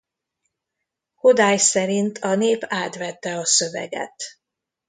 Kodály szerint a nép átvette a szöveget.